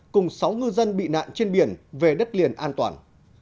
cùng sáu ngư dân bị nạn trên biển về đất liền an toàn